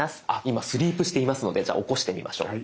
今スリープしていますのでじゃあ起こしてみましょう。